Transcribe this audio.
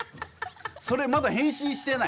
それ、まだ返信してない。